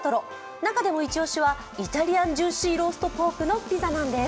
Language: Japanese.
中でも一押しはイタリアンジューシーローストポークのピザなんです。